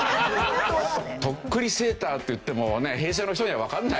とっくりセーターって言っても平成の人にはわからない。